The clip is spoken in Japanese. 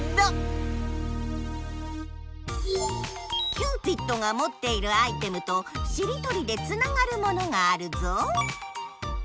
キューピッドがもっているアイテムとしりとりでつながるものがあるぞ！